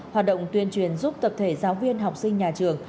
hoạt động tuyên truyền giúp tập thể giáo viên học sinh nhà trường